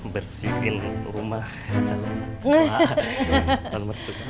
bersihin rumah calon rumah